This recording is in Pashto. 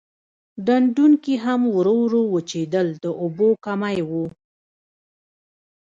ډنډونکي هم ورو ورو وچېدل د اوبو کمی و.